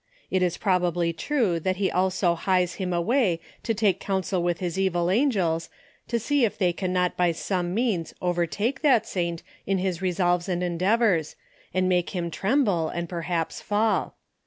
It is prob ably true that he also hies him away to take counsel with his evil angels to see if they can not by some means overtake that saint in his resolves and endeavors, and make him trem ble, and perhaps fall.